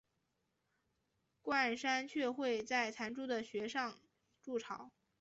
冠山雀会在残株的穴上筑巢。